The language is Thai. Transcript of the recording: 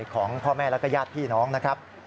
ของพ่อแม่แล้วก็ญาติพี่น้องนะครับ